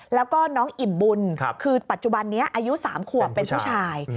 แล้วก็น้องอิ่มบุญคือปัจจุบันนี้อายุ๓ขวบเป็นผู้ชาย